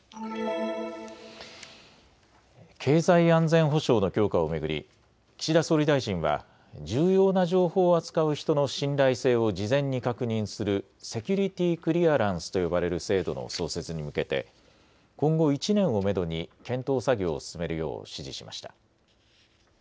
経済安全保障の強化を巡り岸田総理大臣は重要な情報を扱う人の信頼性を事前に確認するセキュリティークリアランスと呼ばれる制度の創設に向けて今後１年をめどに検討作業を進めるよう指示しました。